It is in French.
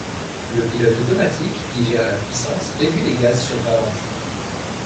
Le pilote automatique qui gère la puissance réduit les gaz sur ralenti.